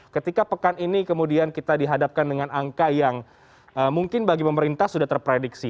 ketika pekan ini kemudian kita dihadapkan dengan angka yang mungkin bagi pemerintah sudah terprediksi